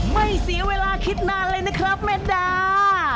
ไม่เสียเวลาคิดนานเลยนะครับแม่ดา